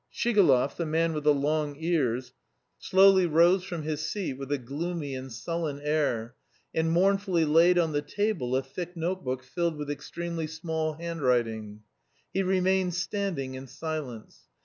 Shigalov, the man with the long ears, slowly rose from his seat with a gloomy and sullen air and mournfully laid on the table a thick notebook filled with extremely small handwriting. He remained standing in silence.